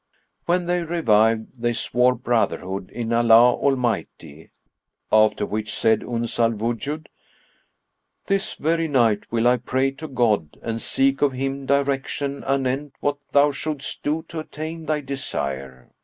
When they revived, they swore brotherhood[FN#51] in Allah Almighty; after which said Uns al Wujud, "This very night will I pray to God and seek of Him direction[FN#52] anent what thou shouldst do to attain thy desire."